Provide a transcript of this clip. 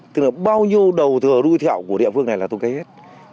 tức là bao nhiêu đầu thừa đuôi thẹo của địa phương này là tôi cấy hết